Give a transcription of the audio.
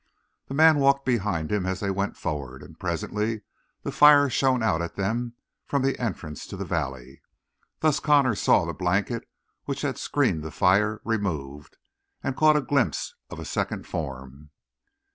The man walked behind him as they went forward, and presently the fire shone out at them from the entrance to the valley; thus Connor saw the blanket which had screened the fire removed, and caught a glimpse of a second form.